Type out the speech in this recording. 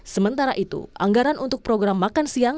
sementara itu anggaran untuk program makan siang